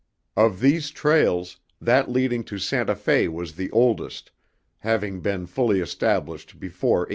Of these trails, that leading to Santa Fe was the oldest, having been fully established before 1824.